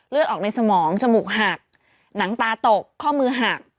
เลือดออกในสมองจมูกหักหนังตาตกข้อมือหัก